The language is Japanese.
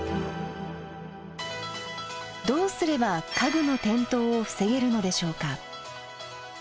どうすれば家具の転倒を防げるのでしょうか。